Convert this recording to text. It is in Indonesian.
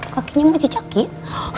pakenya masih cakit